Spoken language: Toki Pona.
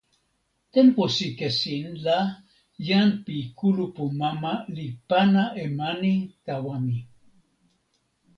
tenpo sike sin la jan pi kulupu mama li pana e mani tawa mi.